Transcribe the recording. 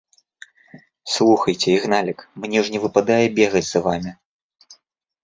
Слухайце, Ігналік, мне ж не выпадае бегаць за вамі…